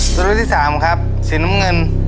สรุปที่๓ครับสีน้ำเงิน